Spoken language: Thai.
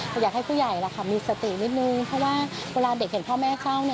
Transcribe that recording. ก็อยากให้ผู้ใหญ่มีสตินิดนึงเพราะว่าเวลาเด็กเห็นพ่อแม่เข้า